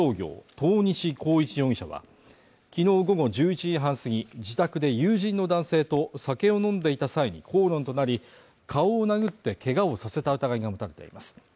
遠西幸一容疑者は、きのう午後１１時半すぎ、自宅で友人の男性と酒を飲んでいた際に口論となり顔を殴ってけがをさせた疑いが持たれています。